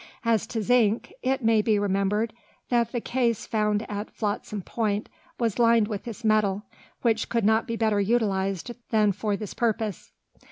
As to zinc, it may be remembered that the case found at Flotsam Point was lined with this metal, which could not be better utilised than for this purpose.